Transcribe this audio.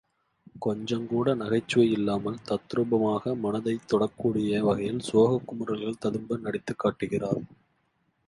கொஞ்சங்கூட நகைச்சுவை இல்லாமல் தத்ரூபமாக மனத்தைத் தொடக்கூடிய வகையில் சோகக் குமுறல்கள் ததும்ப நடித்துக்காட்டுகிறார்.